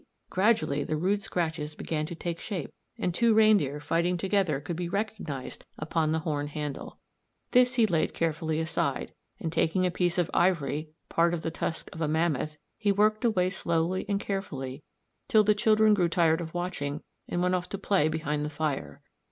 gradually the rude scratches began to take shape, and two reindeer fighting together could be recognised upon the horn handle. This he laid carefully aside, and taking a piece of ivory, part of the tusk of a mammoth, he worked away slowly and carefully till the children grew tired of watching and went off to play behind the fire.